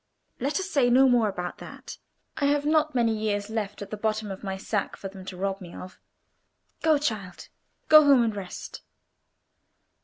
Let us say no more about that. I have not many years left at the bottom of my sack for them to rob me of. Go, child; go home and rest."